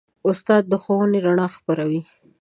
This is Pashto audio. استاد د ښوونې رڼا خپروي.